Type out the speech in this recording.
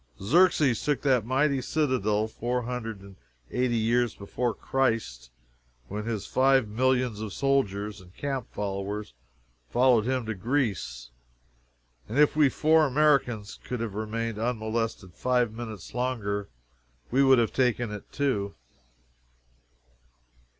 Xerxes took that mighty citadel four hundred and eighty years before Christ, when his five millions of soldiers and camp followers followed him to Greece, and if we four Americans could have remained unmolested five minutes longer, we would have taken it too.